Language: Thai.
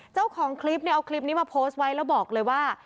เจ้าของคลิปเนี่ยเอาคลิปนี้มาโพสต์ไว้แล้วบอกเลยว่า